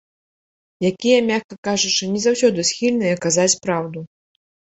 Якія, мякка кажучы, не заўсёды схільныя казаць праўду.